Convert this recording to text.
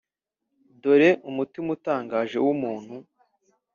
dore umumutima utangaje wumuntu,